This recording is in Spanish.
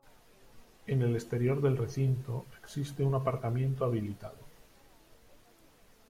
En el exterior del recinto existe un aparcamiento habilitado.